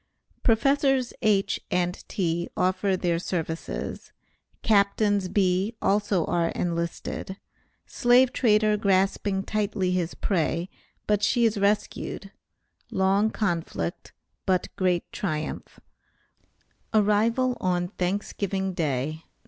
PROFESSORS H. AND T. OFFER THEIR SERVICES CAPTAINS B. ALSO ARE ENLISTED SLAVE TRADER GRASPING TIGHTLY HIS PREY, BUT SHE IS RESCUED LONG CONFLICT, BUT GREAT TRIUMPH ARRIVAL ON THANKSGIVING DAY, NOV.